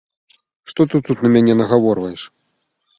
Што ты тут на мяне нагаворваеш!